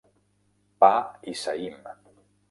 Pa i saïm.